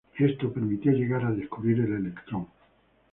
Esto permitió llegar a descubrir el electrón.